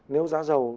nếu giá dầu